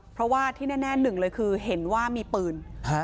เพราะว่าที่แน่หนึ่งเลยคือเห็นว่ามีปืน